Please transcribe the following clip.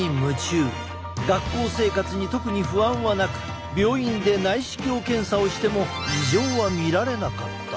学校生活に特に不安はなく病院で内視鏡検査をしても異常は見られなかった。